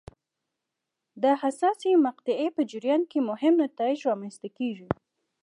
د حساسې مقطعې په جریان کې مهم نتایج رامنځته کېږي.